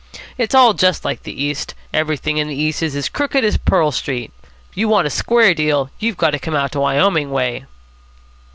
It's all just like the East. Everything in the East is as crooked as Pearl Street. If you want a square deal, you've got to come out Wyoming way."